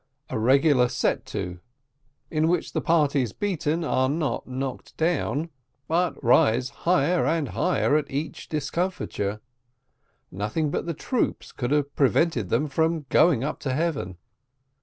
A REGULAR SET TO, IN WHICH THE PARTIES BEATEN ARE NOT KNOCKED DOWN, BUT RISE HIGHER AND HIGHER AT EACH DISCOMFITURE NOTHING BUT THE TROOPS COULD HAVE PREVENTED THEM FROM GOING UP TO HEAVEN.